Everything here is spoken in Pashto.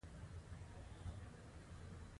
دا هغه مزد دی چې کارګران یې ترلاسه کوي